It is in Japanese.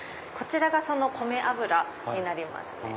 こちらが米油になります。